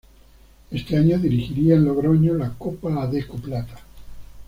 Este año dirigiría en Logroño la Copa Adecco Plata.